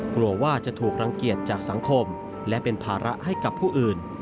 กลัวว่าจะถูกรังเกียจจากสังคมและเป็นภาระให้กับผู้อื่น